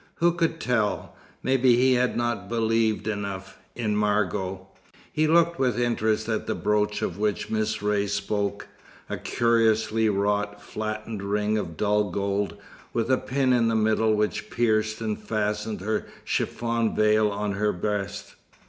Who could tell? Maybe he had not "believed" enough in Margot. He looked with interest at the brooch of which Miss Ray spoke, a curiously wrought, flattened ring of dull gold, with a pin in the middle which pierced and fastened her chiffon veil on her breast.